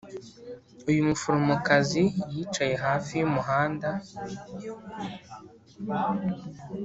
uyu muforomokazi yicaye hafi y’umuhanda